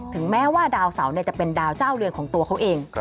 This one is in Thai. แม้ว่าดาวเสาจะเป็นดาวเจ้าเรือนของตัวเขาเอง